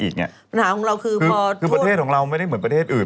คือประเทศของเราไม่ได้เหมือนประเทศอื่น